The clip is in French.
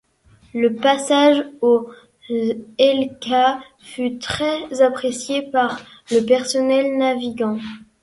Le passage au Hellcat fut très apprécié par le personnel navigants.